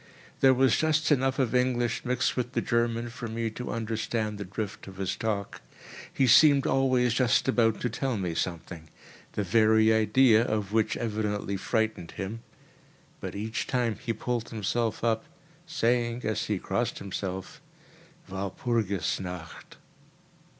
There was just enough of English mixed with the German for me to understand the drift of his talk. He seemed always just about to tell me something—the very idea of which evidently frightened him; but each time he pulled himself up, saying, as he crossed himself: "Walpurgis Nacht!"